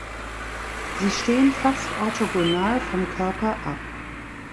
Sie stehen fast orthogonal vom Körper ab.